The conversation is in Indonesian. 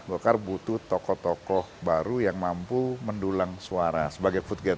golkar butuh tokoh tokoh baru yang mampu mendulang suara sebagai food get